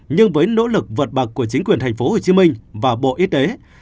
nhưng với nỗ lực vượt bậc của chính quyền thành phố hồ chí minh và bộ y tế